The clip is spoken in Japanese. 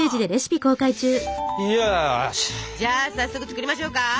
じゃあ早速作りましょうか。